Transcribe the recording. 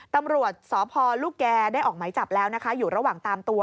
ตำรวจสพลูกแก่ได้ออกไหมจับแล้วนะคะอยู่ระหว่างตามตัว